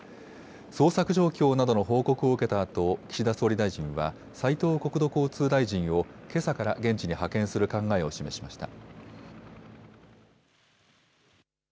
捜索状況などの報告を受けたあと、岸田総理大臣は斉藤国土交通大臣をけさから現地に派遣する考えを示しました。